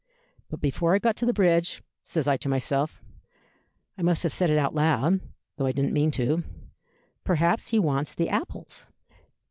But before I got to the bridge, says I to myself and I must have said it out loud, though I didn't mean to 'Perhaps he wants the apples.'